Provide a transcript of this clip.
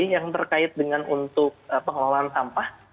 yang terkait dengan untuk pengelolaan sampah